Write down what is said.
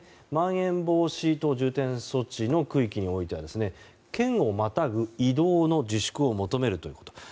まん延防止等重点措置の区域においては県をまたぐ移動の自粛を求めるということ。